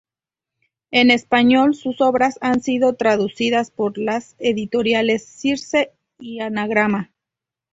En español sus obras han sido traducidas por las editoriales Circe y Anagrama.